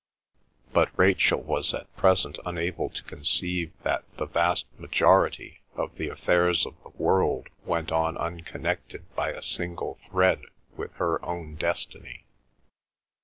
But Rachel was at present unable to conceive that the vast majority of the affairs of the world went on unconnected by a single thread with her own destiny.